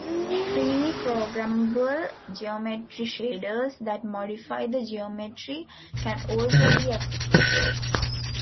Freely programmable geometry shaders that modify the geometry can also be executed.